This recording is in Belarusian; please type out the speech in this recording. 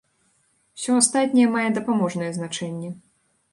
Усё астатняе мае дапаможнае значэнне.